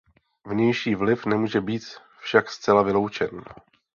Vnější vliv nemůže být však zcela vyloučen.